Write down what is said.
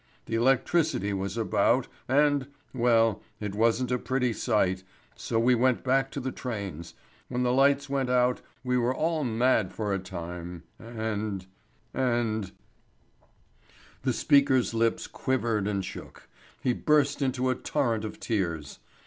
The electricity was about, and well, it wasn't a pretty sight, so we went back to the trains. When the lights went out we were all mad for a time, and and " The speaker's lips quivered and shook he burst into a torrent of tears.